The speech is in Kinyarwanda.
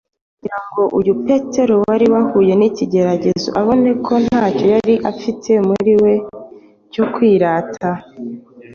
kugira ngo uyu Petero wari uhuye n’ikigeragezo abone ko ntacyo yari afite muri we cyo kwiratana.